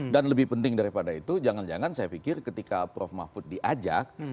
dan lebih penting daripada itu jangan jangan saya pikir ketika prof mahfud diajak